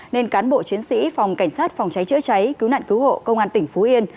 nên cán bộ chiến sĩ phòng cảnh sát phòng cháy chữa cháy cứu nạn cứu hộ công an tỉnh phú yên